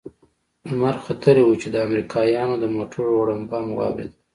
لمر ختلى و چې د امريکايانو د موټرو غړمبه مو واورېد.